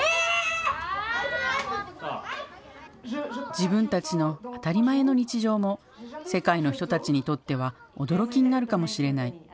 自分たちの当たり前の日常も、世界の人たちにとっては驚きになるかもしれない。